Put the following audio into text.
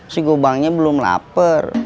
si gobangnya belum lapar